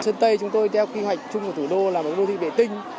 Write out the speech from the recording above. sơn tây chúng tôi theo kỳ hoạch chung với thủ đô là một đô thị bệ tinh